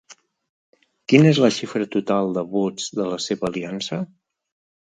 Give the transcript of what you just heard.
Quina és la xifra total de vots de la seva aliança?